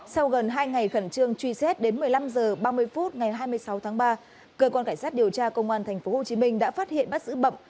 sau gần hai ngày khẩn trương truy xét đến một mươi năm h ba mươi phút ngày hai mươi sáu tháng ba cơ quan cảnh sát điều tra công an tp hcm đã phát hiện bắt giữ bậm